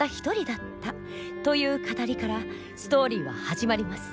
という語りからストーリーは始まります。